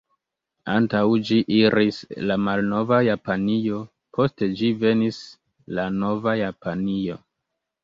Antaŭ ĝi iris la malnova Japanio; post ĝi venis la nova Japanio.